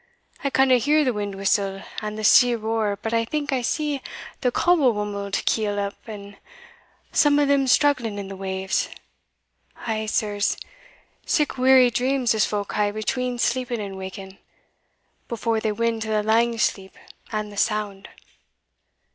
I canna hear the wind whistle, and the sea roar, but I think I see the coble whombled keel up, and some o' them struggling in the waves! Eh, sirs; sic weary dreams as folk hae between sleeping and waking, before they win to the lang sleep and the sound!